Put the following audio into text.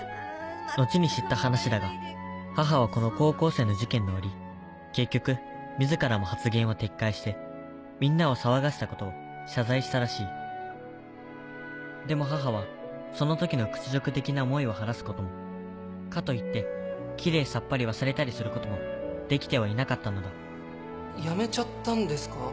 後に知った話だが母はこの高校生の事件の折結局自らも発言を撤回してみんなを騒がせたことを謝罪したらしいでも母はその時の屈辱的な思いを晴らすこともかといってきれいさっぱり忘れたりすることもできてはいなかったのだやめちゃったんですか？